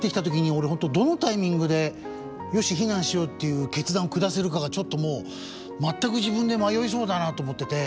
俺本当どのタイミングで「よし避難しよう！」っていう決断を下せるかがちょっともう全く自分で迷いそうだなと思ってて。